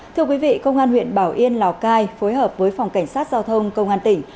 thưa quý vị công an huyện bảo yên lào cai phối hợp với phòng cảnh sát giao thông công an tỉnh